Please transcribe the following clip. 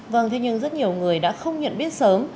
vâng thế nhưng rất nhiều người đã không nhận biết sớm